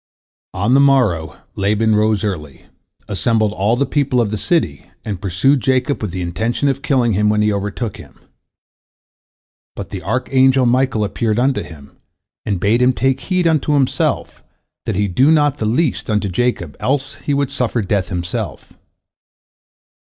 On the morrow Laban rose early, assembled all the people of the city, and pursued Jacob with the intention of killing him when he overtook him. But the archangel Michael appeared unto him, and bade him take heed unto himself, that he do not the least unto Jacob, else would he suffer death himself.